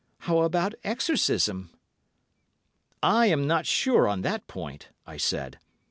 How about exorcism?" "I am not sure on that point," I said.